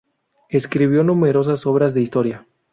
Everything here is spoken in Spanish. Escribió numerosas obras de historia.